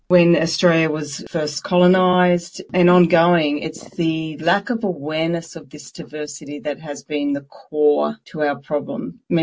maksudnya misalnya misi orang orang bertumpu bersama